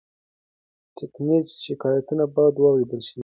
ټاکنیز شکایتونه باید واوریدل شي.